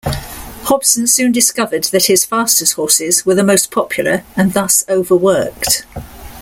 Hobson soon discovered that his fastest horses were the most popular, and thus overworked.